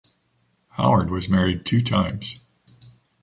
Howard was married two times.